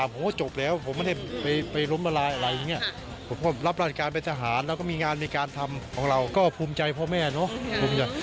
เพราะพ่อรับราชการเป็นทหารแล้วก็มีงานมีการทำของเราก็ภูมิใจพ่อแม่เนอะ